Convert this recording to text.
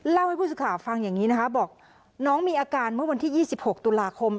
เล่าให้ผู้สุข่าวฟังอย่างงี้นะคะบอกน้องมีอาการเมื่อวันที่ยี่สิบหกตุลาคม